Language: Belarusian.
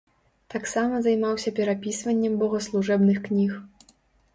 Таксама займаўся перапісваннем богаслужэбных кніг.